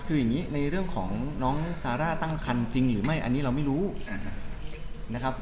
คืออย่างนี้ในเรื่องของน้องซาร่าตั้งคันจริงหรือไม่อันนี้เราไม่รู้นะครับ